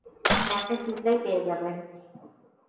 ম্যাপে খুঁজলেই পেয়ে যাবেন।